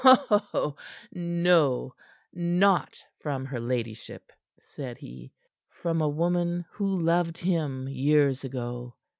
"No, not from her ladyship," said he. "From a woman who loved him years ago."